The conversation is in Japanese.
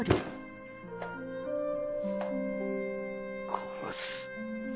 殺す。